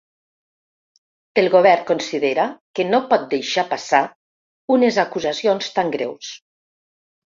El govern considera que no pot deixar passar unes ‘acusacions tan greus’.